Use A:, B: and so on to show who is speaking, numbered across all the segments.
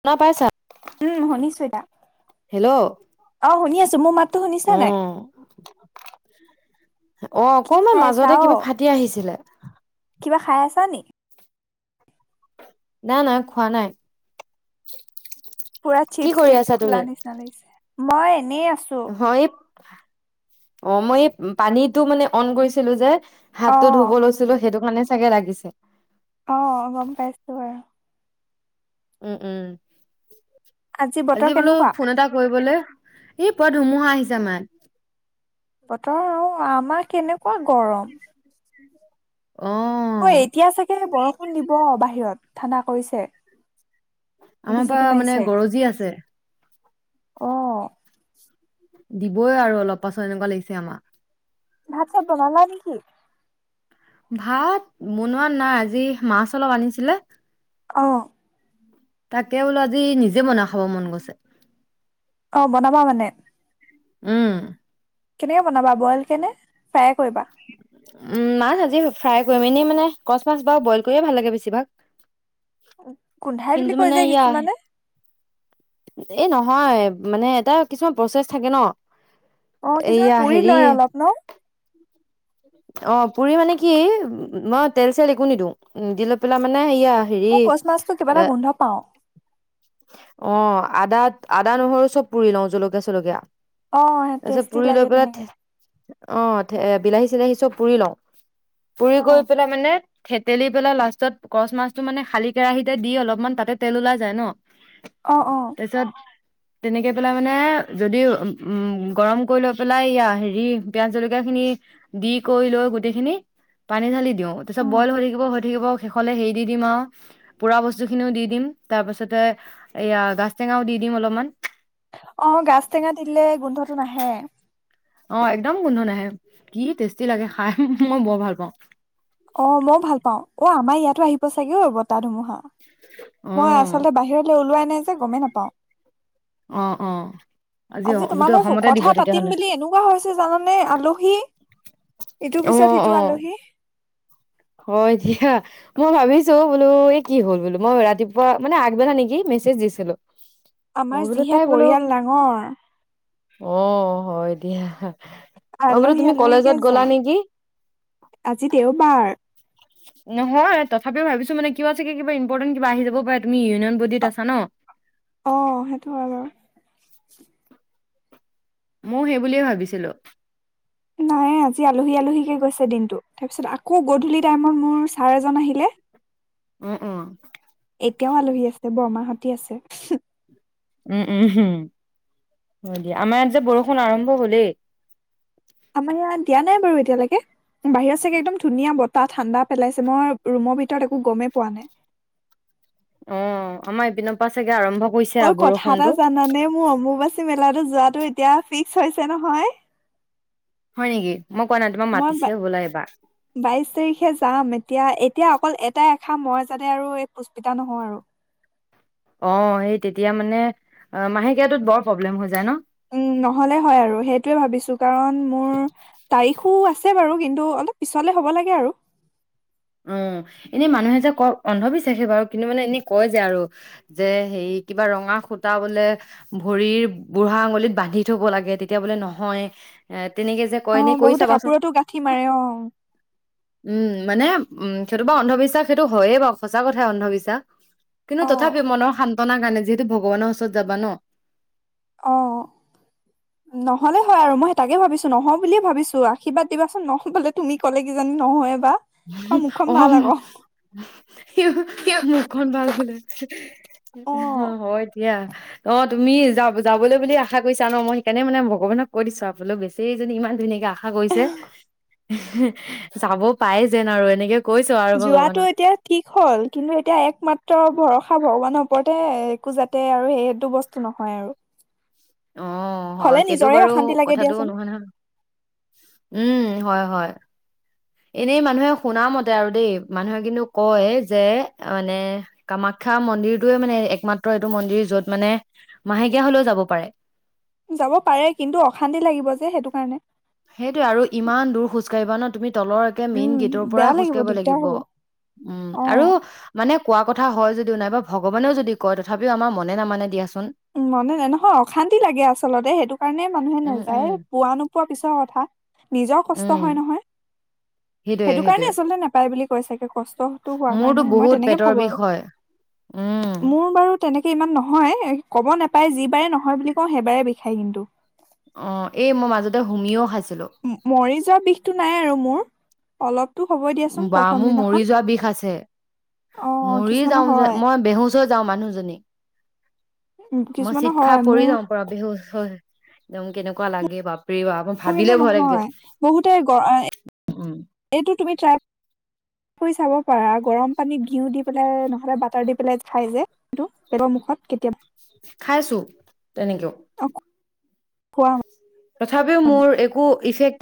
A: শুনা পাইছা।
B: উ, শুনিছো ইবাৰ। অ', শুনি আছো, মোৰ মাতটো শুনিছানে নাই।
A: অ', অ',
B: কি
A: অকমান
B: খাই আছা
A: মাজতে
B: অ
A: কিবা ফাটি আহিছিলে।
B: কিবা খাই আছা নি।
A: নাই, নাই খোৱা নাই।
B: পুৰা
A: কি কৰি আছা
B: চিপছ-টিপছ
A: তুমি?
B: খোলা নিচিনা লাগিছে। মই- এনেই আছো।
A: হয়, অ', মই এই পানীতটো, মানে অন কৰিছিলো যে
B: অ
A: হাতটো ধুব লৈছিলো, সেইটো কাৰণে চাগে লাগিছে।
B: অ', গম পাইছোঁ বাৰু।
A: উম, উম।
B: বতৰ
A: আজি বোলো
B: কেনেকুৱা
A: ফোন এটা কৰিবলে, এই- পুৰা ধুমুহা আহিছে আমাৰ।
B: বতৰ আৰু আমাৰ কেনেকুৱা গৰম। ঐ,
A: অ',
B: এতিয়া চাগে বৰষুণ দিব বাহিৰত। ঠাণ্ডা কৰিছে।
A: আমাৰ পা
B: বিজুলী
A: মানে
B: মাৰিছে
A: গৰজি আছে।
B: অ।
A: দিবই আৰু অলপ পাছত এনেকুৱা লাগিছে আমাৰ।
B: ভাত-চাত বনালা নেকি।
A: ভাত, বনোৱা নাই আজি মাছ অলপ আনিছিলে
B: অ।
A: তাকে বোলো, আজি নিজে বনাই খাব মন গৈছে।
B: অ', বনাবা মানে।
A: উম।
B: কেনেকে বনাবা। ব্ৰইল কেনে, ফ্ৰাই কৰিবা
A: উম, মাছ আজি ফ্ৰাইয়ে কৰিম। এনেই মানে কচ মাছ বাৰু ব্ৰইল কৰিয়ে ভাল লাগে বেছিভাগ।
B: উম। গোন্ধাই বুলি
A: কিন্তু
B: কয়
A: মানে
B: যে
A: এয়া
B: কিছুমানে।
A: এই নহয়, মানে এটা কিছুমান প্ৰচেছ থাকে ন
B: অ
A: এইয়া
B: কিছুমান পুৰি
A: হেৰি
B: লয় অলপ ন।
A: অ, পুৰি মানে কি? মই তেল চেল একো নিদিওঁ, নি দি লৈ পেলাই মানে সেয়া। হেৰি,
B: মই কচ মাছটো কিবা এটা
A: এ
B: গোন্ধ পাওঁ
A: অ। আদা, আদা নহৰু চব পুৰি লওঁ। জলকীয়া, চলকীয়া।
B: অ
A: তাৰপিছত
B: টেষ্টি
A: পুৰি লৈ
B: লাগে
A: পেলাই
B: তেনেকে।
A: অ বিলাহী, চিলাহী। পুৰি লওঁ। পুৰি গৈ
B: অ'
A: পেলাই মানে। ঠেতেলি পেলাই লাষ্টত কচ মাছটো মানে খালী কেৰাহীতে দি অলপমান তাতে তেল ওলাই যায় ন।
B: অ', অ।
A: তাৰপিছত তেনেকে পেলাই মানে যদি উ গৰম কৰি লৈ পেলাই হেৰি পিয়াজ জলকীয়া খিনি দি। কৰি লৈ গোটেইখিনি পানী ঢালি দিওঁ। তাৰপিছত
B: উম
A: ব্ৰইল হৈ থাকিব হৈ থাকিব, শেষলে হেৰি দি দিম আৰু পোৰা বস্তুখিনিও দি দিম। তাৰ পিছতে এয়া গাজ টেঙাও দি দিম অলপমান।
B: অ গাজ টেঙা দিলে গোন্ধটো নাহে।
A: অ একদম গোন্ধ নাহে, কি টেষ্টি লাগে খাই। মই বৰ ভাল পাওঁ।
B: অ মই ভাল পাওঁ। অ আমাৰ ইয়াতো আহিব চাগে অ, বতাহ ধুমুহা।
A: অ
B: মই আচলতে বাহিৰলৈ ওলোৱাই নাই যে। গমেই নাপাওঁ।
A: অ অ
B: আজি
A: গোটেই
B: তোমালৈ
A: অসমতে দিব
B: কথা পাতিম
A: তেতিয়াহ'লে
B: বুলি এনেকুৱা হৈছে জানানে আলহী, ইটোৰ
A: অ
B: পিছত
A: অ
B: সিটো আলহী।
A: হয় দিয়া। মই ভাবিছো বোলো, এই কি হ'ল বোলো, মই ৰাতিপুৱা মানে আগবেলা নেকি মেছেজ দিছিলো। মই
B: আমাৰ
A: বোলো
B: যিহে
A: তাই বোলো
B: পৰিয়াল ডাঙৰ।
A: অ, হয় দিয়া। মই বোলো
B: আলহী
A: তুমি
B: আলহীকে
A: কলেজত গ'লা
B: যায়।
A: নেকি?
B: আজি দেওবাৰ।
A: নহয় তথাপিও ভাবিছো মানে কিবা চাগে কিবা ইম্পৰ্টেণ্ট কিবা আহি যাব পাৰে। তুমি ইউনিয়ন বডিত আছা ন?
B: আহ, সেইটো হয় বাৰু।
A: মইয়ো সেই বুলিয়ে ভাবিছিলো।
B: নাই আজি আলহী আলহীকে গৈছে দিনটো। তাৰপিছত আকৌ গধূলি টাইমত মোৰ ছাৰ এজন আহিলে।
A: উম, উম।
B: এতিয়াও আলহী আছে, বৰমাহতি আছে।
A: উম', উম, উম। দিয়া আমাৰ ইয়াত যে বৰষুণ আৰম্ভ হলেই।
B: আমাৰ ইয়াত দিয়া নাই বাৰু এতিয়ালৈকে, বাহিৰত চাগে একদম ধুনীয়া বতাহ, ঠাণ্ডা পেলাইছে। মই ৰুমৰ ভিতৰত একো গমেই পোৱা নাই।
A: অ আমা এইপিনপা ছাগে।
B: ঐ কথা এটা জানানে, মোৰ অম্বুবাচী মেলাতো। যোৱাটো এতিয়া ফিক্স হৈছে নহয়।
A: হয় নেকি? মই কোৱা নাই তোমাক
B: মই,
A: মাতিছে হ'বলা এইবাৰ।
B: বাইশ তাৰিখে যাম। এতিয়া', এতিয়া। অকল এটা এষা মই যাতে আৰু এই পুষ্পিতা নহওঁ আৰু।
A: অ সেই তেতিয়া মানে। অ মাহেকীয়াটোত বৰ প্ৰব্লেম হৈ যায় ন।
B: উম, নহ'লে হয়। আৰু, সেইটোৱেই ভাবিছোঁ কাৰণ, মোৰ তাৰিখ খু আছে বাৰু, কিন্তু অলপ পিছলে হ'ব লাগে, আৰু
A: উম, এনে মানুহে যে কয়, অন্ধবিশ্বাসেই বাৰু। কিন্তু, মানে, এনে কয় যে, আৰু যে, হেৰি, কিবা ৰঙা সুতা বোলে ভৰিৰ বুঢ়া আঙুলিত বান্ধি থ'ব লাগে। তেতিয়া বোলে নহয়, এ তেনেকে যে কয়,
B: অ
A: এনেই কৰি
B: বহুতে
A: চাবাচোন।
B: কাপোৰতো গাঁঠি মাৰে অ
A: উম, মানে উম, সেইটো বাৰু অন্ধবিশ্বাস। সেইটো হয়য়েই বাৰু। সঁচা কথা, অন্ধবিশ্বাস কিন্তু,
B: অ
A: তথাপিও, মনৰ শান্তি ঘটনা কাৰণে, যিহেতু ভগৱানৰ ওচৰত যাবা ন
B: অ', নহ'লে হয় আৰু, মই সেই টাকেই ভাবিছোঁ। নহওঁ বুলিয়েই ভাবিছোঁ। আশীৰ্বাদ দিবাচোন নহ'বলে, তুমি ক'লে, কিজানি নহয়েই
A: [unintelligible] অ', [unintelligible] মুখখন ভাল হ'লে
B: অ
A: হয় দিয়া অ', তুমি যাব, যাবলৈ বুলি আশা কৰিছা ন। মই সেইকাৰণে, মানে, ভগৱানক কৈ দিছোঁ আও বোলো, বেচেৰীজনী, ইমান ধুনীয়াকে আ আশা কৰিছে [unintelligible] যাব পাই যেন, আৰু এনেকে
B: যোৱাটো এতিয়া ঠিক হ'ল। কিন্তু, এতিয়া একমাত্ৰ ভৰসা, ভগৱানৰ ওপৰতে। একো যাতে আৰু সেইটো বস্তু নহয়, আৰু
A: অ', হয়।
B: হ'লে
A: সেইটো
B: নিজৰে
A: বাৰু
B: অশান্তি লাগে
A: কথাটো
B: দিয়াচোন
A: নোহোৱা নহয়। উম, হয়, হয়। এনেই মানুহে শুনা মতে আৰু দেই। মানুহে কিন্তু কয় যে মানে কামাখ্যা মন্দিৰটোৱেই মানে একমাত্ৰ এইটো মন্দিৰ যত মানে মাহেকীয়া হ'লেও যাব পাৰে।
B: যাব পাৰে। কিন্তু অশান্তি লাগিব যে সেইটো কাৰণে।
A: [unintelligible] না তুমি তলৰ একে মেইন
B: উম
A: গেটৰ পৰা
B: বেয়া
A: খোজ কাঢ়িব
B: দিগদাৰ
A: লাগিব।
B: হ'ব
A: উম,
B: অ
A: আৰু মানে কোৱা কথা হয় যদিও, নাইবা ভগৱানেও যদি কয় তথাপিও আমাৰ মনে নামানে দিয়াচোন।
B: উম, মানে নহয়। অশান্তি লাগে আচলতে। সেইটো কাৰণে মানুহে
A: উম
B: নাযায়ে।
A: উম
B: পোৱা-নোপোৱা পিছৰ ক থা নিজৰ কষ্ট
A: উম
B: হয়, নহয়।
A: সেইটোয়ে
B: সেইটো কাৰণে
A: সেইটোয়ে
B: আচলতে নাপায় বুলি কৈ চাগে, কষ্টটো হোৱা
A: মোৰতো
B: কাৰণে। মই
A: বহুত
B: তেনেকৈ
A: পেটৰ
B: ভাবো
A: বিষ
B: আৰু।
A: হয়। উম,
B: মোৰ বাৰু তেনেকে ইমান নহয় ক'ব নেপায়। যি বাৰে নহয় বুলি কওঁ, সেইবাৰে বিষায় কিন্ত।
A: অ', এই মই মাজতে হুমিও খাইছোঁ।
B: মৰি যোৱা বিষটো নাই আৰু মোৰ। অলপ
A: বা, মোৰ মৰি যোৱা বিষ আছে।
B: অ
A: মৰিয়ে
B: কিছুমানৰ
A: যাওঁ যে,
B: হয়
A: মই বেহুচ হৈ যাওঁ, মানুহজনী
B: উম,
A: মই
B: কিছুমানৰ
A: চিৎ খাই
B: হয়
A: পৰি
B: মোৰ
A: যাওঁ। পৰা বেহুচ হৈ একদম কেনেক কোৱা লাগে বাপ মই
B: মোৰ কিন্তু
A: ভাবিলে ভয় লাগে।
B: নহয়। বহুতে
A: উম,
B: এইটো তুমি ট্ৰাই কৰি চাব পাৰা। গৰম পানীত ঘিউ দি পেলাই নহলে বাটাৰ দি পেলাই খাই যে সেইটো, কি বটৰ মুখত কেতিয়াবা
A: খাইছো, তেনেকেও।
B: অ খোৱা
A: তথাপিও মোৰ একো ইফেক্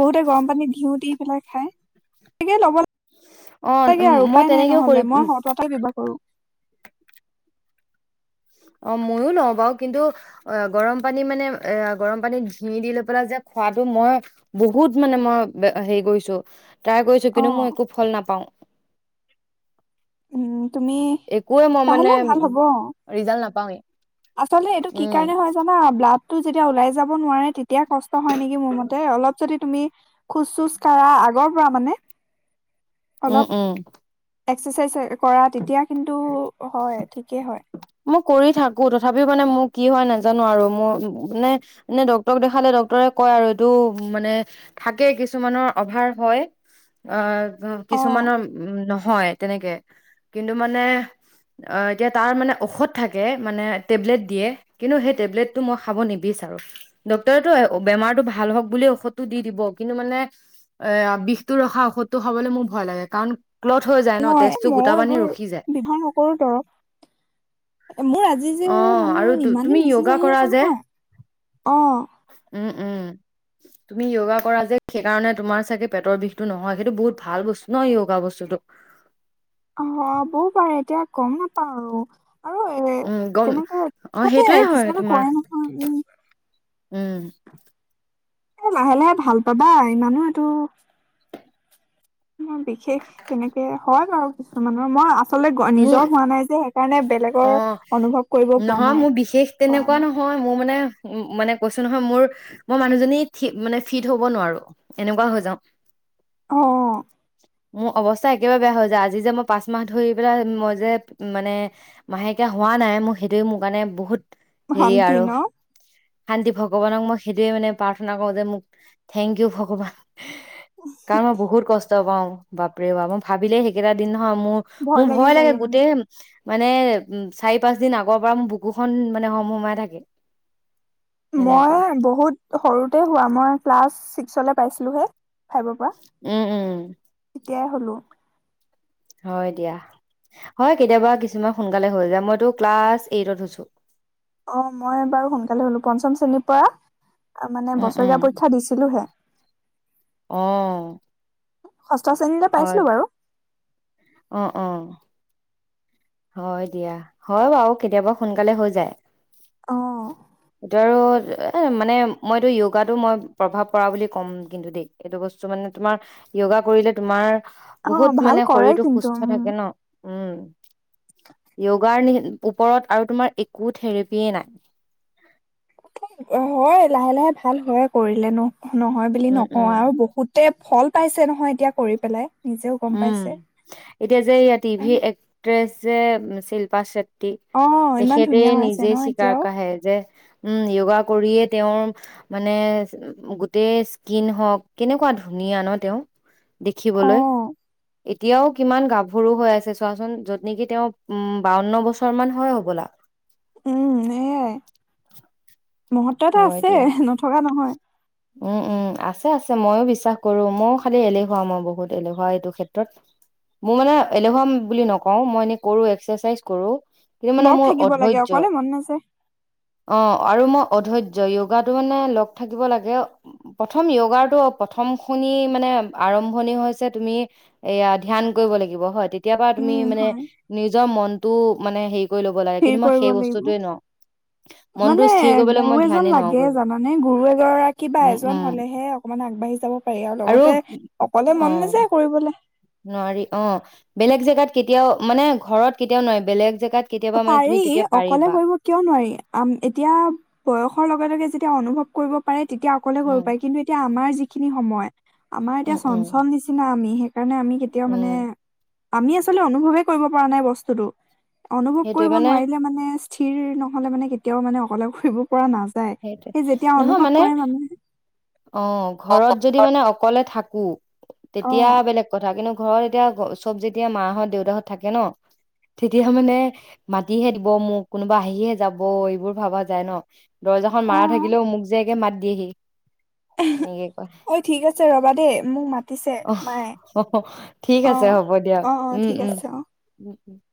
B: বহুতে গৰম পানীত দিউ দি পেলাই খায়। তাকে ল'ব
A: অ',
B: লাগে আৰু
A: মই
B: উপায় নাই
A: তেনেকেও
B: নহলে।
A: কৰি
B: মই সতাটই ব্যবহাৰ কৰোঁ।
A: অ মইও নগাওঁৰ কিন্তু অ গৰম পানী মানে এ গৰম পানীত ঘিউ দি লৈ পেলাই যে খোৱাটো মই বহুত মানে মই হেৰি কৰিছো। ট্ৰাই কৰিছো কিন্তু
B: অ'
A: মই একো ফল নাপাওঁ।
B: [unintelligible]
A: একোৱে মই
B: লাহে
A: মানে
B: লাহে ভাল
A: উ
B: হ'ব।
A: ৰিজাল্ট নাপাওঁৱে।
B: আচলতে এইটো কি কাৰণে হয় জানা? ব্লা তো যেতিয়া ওলাই যাব নোৱাৰে তেয়া এতিয়া কষ্ট হয় নেকি মোৰ মতে অলপ যদি তুমি খোজ চুজ কঢ়া আগৰ পৰা মানে
A: উম
B: অলপ
A: উম
B: এক্সাৰচাইজ কৰা এতিয়া কিন্তু হয় ঠিকেই হয়
A: মই কৰি থাকো তথাপিও মানে মোৰ কি হয় নাজানো আৰু মোৰ মানে মানে ডাক্তৰক দেখালে ডাক্তৰে কয় আৰু এইটো মানে থাকে কিছুমানৰ অভাৰ হয় আহ অ কিছুমানৰ উ নহয় তেনেকে কিন্তু মানে অ এতিয়া তাৰ মানে ঔষধ থাকে মানে টেবলেট দিয়ে কিন্তু সেই টেবলেটটো মই খাব নিবিচাৰো ডক্তৰেটো বেমাৰতটো ভাল হওঁক বুল ঔষধটো দি দিব কিন্তু মানে এ বিষটো ৰখা ঔষধটো খাবলৈ মোৰ ভয় লাগে কাৰণ ক্লথ হৈ যায় ন
B: নয়
A: তেজটো
B: মই
A: গোটা বান্ধি
B: এইবোৰ
A: ৰখি যায়
B: বিধাৰ নকৰো দৰৱ এ মোৰ আজি যে
A: অ
B: মানে
A: আৰু তুমি
B: ইমানেই মেছেজ
A: য়োগা
B: আহি
A: কৰা
B: আছে
A: যে
B: নহয় অ
A: উম উম তুমি য়গা কৰা যে সেইকাৰণে তোমাৰ চাগে পেটৰ বিষটো নহয় সেইটো বহুত ভাল বস্তু ন য়গা বস্তুটো
B: অ' হ'বও পাৰে এতিয়া গম নাপাওঁ আৰু এ
A: উম গম
B: তেনেকা
A: অ সেইটোয়ে হয়
B: কিছুমানে
A: তোমাৰ
B: কোৱাই নহয় উম
A: উম
B: এ লাহে লাহে ভাল পাবা ইমানো এইটো ম বিশেষ তেনেকে হয় ব কিছুমানৰ মই আচলতে
A: মোৰ
B: নিজৰ হোৱা নাই যে সেইকাৰণে বেলেগৰ
A: অ
B: অনুভৱ কৰিব পোৱা
A: নহয়
B: নাই
A: মোৰ বিশেষ
B: পৰা
A: তেনেকুৱা
B: নাই
A: নহয় মোৰ মানে উ মানে কৈছো নহয় মোৰ মই মানুহজনী মানে ফিট হব নোৱাৰো এনেকুৱা হৈ যাও।
B: অহ
A: মোৰ অৱস্থা একেবাৰে বেয়া হৈ যায় আজি যে মই পাঁচ মাহ ধৰি পেলাই মই যে মানে মাহেকীয়া হোৱা নাই মোৰ সেইটো মোৰ কাৰণে বহুত হেৰি
B: ভণ্টি
A: আৰু
B: ন?
A: শান্তি ভগৱানক মই সেইটোৱে মানে প্ৰাৰ্থনা কৰো যে মোক থেংক ইউ ভগৱান। কাৰণ মই বহুত কষ্ট পাওঁ বাপৰে বাপ মই ভাবিলেই সেইকেইটা দিন অ মোৰ মোৰ
B: লাগি
A: ভয় লাগে
B: যায়গে মানে।
A: গোটেই মানে উম চাৰি পাঁচ দিন আগৰ পৰা মোৰ বুকুখন মানে হোম হোমাই থাকে। সেনেকুৱা
B: মই বহুত সৰুতে হোৱা মই ক্লাছ ছিক্সলৈ পাইছিলোঁহে।
A: উম উম
B: তিয়াই হ'লোঁ।
A: হয় দিয়া হয় কেতিয়াবা কিছুমান সোনকালে হৈ যায় মইতো ক্লা এইটত হৈছোঁ।
B: অ মই বাৰু সোনকালে হলো পঞ্চম শ্ৰেণীৰ পৰা মানে
A: উম
B: বছৰীয়া পৰীক্ষা দিছিলোহে।
A: অহ
B: ষষ্ঠ শ্ৰেণীলে পাইছিলো বাৰু।
A: অ অ হয় দিয়া হয় বাৰু কেতিয়াবা সোনকালে হৈ যায়।
B: অ',
A: এটো আৰু এ মানে মইতো য়োগাটো মই প্ৰভাৱ পৰা বুলি ক'ম কিন্তু দেই এইটো বস্তু মানে তোমাৰ য়োগা কৰিলে তোমাৰ
B: অ',
A: বহুত
B: ভাল
A: মানে
B: কৰে
A: শৰীৰতটো
B: কিন্তু
A: সুস্থ
B: উম।
A: থাকে ন। উম য়োগাৰ নি ওপৰত আৰু তোমাৰ একো থেৰাপিয়ে নাই।
B: হয় লাহে লাহে ভাল হয় কৰিলেনো। নহয় বুলি
A: উম
B: নকওঁ
A: উম
B: আৰু বহুতে ফল পাইছে নহয় এতিয়া কৰি পেলাই। নিজেও গম
A: উম
B: পাইছে
A: এতিয়া যে ইয়া টিভি
B: কাৰণে
A: এক্ট্ৰেছ যে শিল্পা শেট টি
B: অ', ইমান
A: তেখেতে
B: ধুনীয়া হৈ আছে
A: নিজে
B: ন
A: চিকাৰ
B: এতিয়াও
A: কাঢ়ে যে উম য়োগা কৰিয়ে তেওঁৰ মানে গোটেই স্কিন হওঁক কেনেকুৱা ধুনীয়া ন তেওঁ। দেখিবলৈ।
B: অ',
A: এতিয়াও কিমান গাভৰু হৈ আছে চোৱাচোন, য'ত নেকি তেওঁ উম, বাৱন্ন বছৰ মান হয় হ'বলা।
B: উম, সেয়াই। মহত্ব এটা
A: হয়
B: আছে,
A: দিয়া
B: নথকা নহয়।
A: উম উম আছে আছে ময়ো বিশ্বাস কৰো, ময়ো খালি এলেহুৱা মই বহুত এলেহুৱা এইটো ক্ষেত্ৰত, মোৰ মানে এলেহুৱা বুলি নকও মই এনে কৰো এক্সাৰচাইজ কৰো। কিন্তু মানে
B: লগ
A: মোৰ
B: থাকিব লাগে
A: অধৈৰ্য,
B: অকলে মন নাযায়
A: অ', আৰু মই অধৈৰ্য য়োগাটো মানে লগ থাকিব লাগে, প্ৰথম য়োগাৰটো প্ৰথম শুনি মানে আৰম্ভণি হৈছে তুমি এয়া ধ্যান কৰিব লাগিব হয় তেতিয়াৰ পৰাা তুমি
B: উম
A: মানে
B: হয়।
A: নিজৰ মনটো মানে হেই কৰি ল'ব লাগে,
B: হেৰি
A: কিন্তু মই
B: কৰিব
A: সেই
B: লাগিব
A: বস্তুটোৱে নোৱাৰো, মনটো
B: মানে
A: স্থিৰ কৰিব কৰিবলৈ
B: গুৰু
A: মই
B: এজন
A: ধ্যানে নোৱাৰো
B: লাগে জানানে গুৰু এগৰাকী বা
A: উম
B: এজন
A: উম
B: হ'লেহে অকমান আগবাঢ়ি যাব পাৰি আৰু লগতে অকলে
A: অ
B: মন নাযায় কৰিবলে।
A: নোৱাৰি অ, বেলেগ জেগাত কেতিয়াও মানে ঘৰত কেতিয়াও নোৱাৰি বেলেগ জেগা
B: পাৰি অকলে কৰিব কিয় নোৱাৰি, আম এতিয়া বয়সৰ লগে লগে যি - তেওঁ অনুভৱ কৰিব পাৰে। তেতিয়া অকলে কৰিব
A: উম
B: পাৰি, ‍ কিন্তু এতিয়া আমাৰ যি যিখিনি সময় আমাৰ এতিয়া
A: উম উম
B: চঞ্চল নিচিনা আমি, সেইকাৰণে আমি কেতিয়াও মানে
A: উম
B: আমি আচলতে অনুভৱে কৰিব পৰা নাই বস্তুটো। অনুভৱ
A: সেইটোৱে
B: কৰিব
A: মানে
B: নোৱাৰিলে মানে থিৰ নহ'লে মানে কেতিয়াও মানে অকলে কৰিব পৰা নাযায়,
A: সেইটোৱে
B: সেই যেতিয়া
A: নহয়
B: অনুভৱ
A: মানে
B: কৰে মানুহে
A: অ' ঘৰত যদি মানে অকলে থাক [unintelligible]
B: অ
A: তেতিয়া বেলেগ কথা, কিন্তু ঘৰত এতিয়া ঘ চব যেতিয়া মাহঁত-দেউতাহঁত থাকে ন, তেতিয়া মানে মাতিহে দিব মোক কোনোবা আহিহে যাব এইবোৰ ভাবা যায় ন? দৰ্জাখন মাৰা থাকিলেও মোক যে একে মাত দিয়েহি। সেনেকে কয়
B: ঐ ঠিক আছে ৰ'বা দেই, মোক মাত
A: অ', ঠিক আছে হ'ব দিয়া
B: অ অ
A: উম,
B: ঠিক
A: উম।
B: আছে অ
A: [unintelligible]